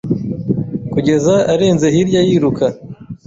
kugeza arenze hirya yiruka